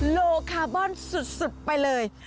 โลคาร์บอนสุดไปเลย